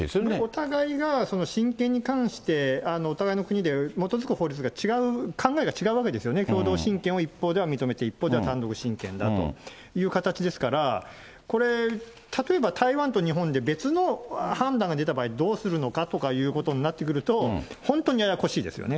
お互いが親権に関して、お互いの国で基づく法律が違う、考えが違うわけですよね、共同親権を一方では認めて、一方では単独親権だという形ですから、例えば、日本で別の判断が出た場合どうするのかということになってくると、本当にややこしいですよね。